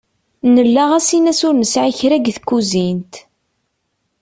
Nella ɣas in-s ur nesεi kra deg tkuzint.